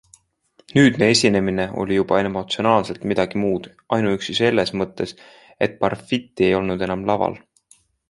Nüüdne esinemine oli juba emotsionaalselt midagi muud, ainuüksi selles mõttes, et Parfitti polnud enam laval.